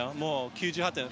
９８点。